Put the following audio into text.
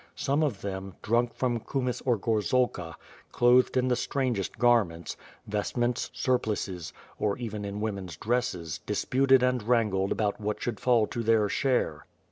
Some of them, drunk from kumys or gor zalka, clothed in the strangest garments; vestments^ sur 202 W/T/i FIRE AND SWORD. plices, or even in women's dresses, disputed and wrangled about what should fall to their share.